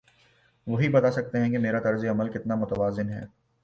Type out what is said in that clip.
وہی بتا سکتے ہیں کہ میرا طرز عمل کتنا متوازن ہے۔